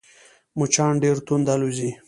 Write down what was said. مچان ډېر تند الوزي